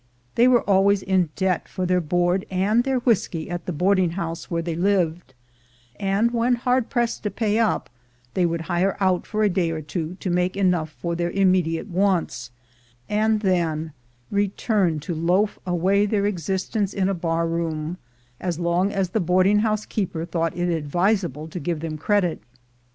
They were always in debt for their board and their whisky at the boarding house where they lived; and when hard pressed to pay up, they would hire out for a day or two to make enough for their immediate wants, and then return to loaf away their existence in a bar room, as long as the boarding house keeper thought it advisable to give them credit.